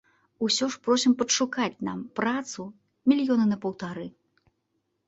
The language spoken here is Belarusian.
Усё ж просім падшукаць нам працу мільёны на паўтары.